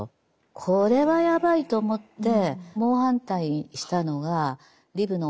これはやばいと思って猛反対したのがリブのおねえさんたちでね。